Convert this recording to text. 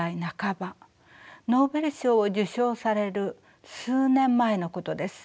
ノーベル賞を受賞される数年前のことです。